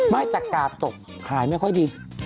ไม่แต่กาดตกขายไม่ค่อยดี